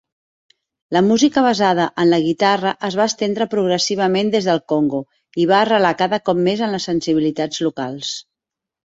La música basada en la guitarra es va estendre progressivament des del Congo i va arrelar cada cop més en les sensibilitats locals.